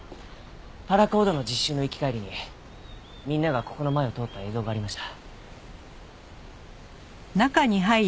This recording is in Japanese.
パラコードの実習の行き帰りにみんながここの前を通った映像がありました。